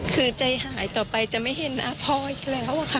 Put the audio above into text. คือใจหายต่อไปจะไม่เห็นหน้าพ่ออีกแล้วอะค่ะ